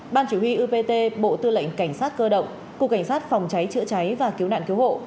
ban chỉ huy upt bộ tư lệnh cảnh sát cơ động cục cảnh sát phòng cháy chữa cháy và cứu nạn cứu hộ